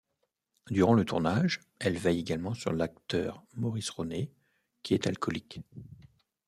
Durant le tournage, elle veille également sur l'acteur Maurice Ronet, qui est alcoolique.